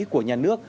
của nhà nước